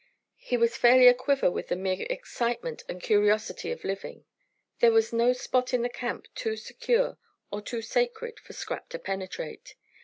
He was fairly aquiver with the mere excitement and curiosity of living. There was no spot in the camp too secure or too sacred for Scrap to penetrate.